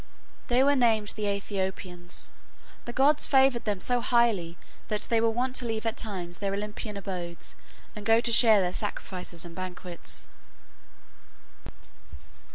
They were named the Aethiopians. The gods favored them so highly that they were wont to leave at times their Olympian abodes and go to share their sacrifices and banquets.